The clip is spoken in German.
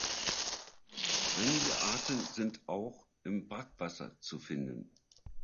Einige Arten sind auch im Brackwasser zu finden.